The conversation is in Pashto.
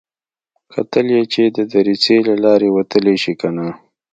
کتل يې چې د دريڅې له لارې وتلی شي که نه.